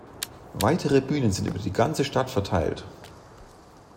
Weitere Bühnen sind über die ganze Stadt verteilt.